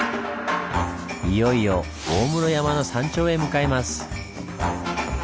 いよいよ大室山の山頂へ向かいます。